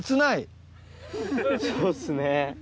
そうっすね。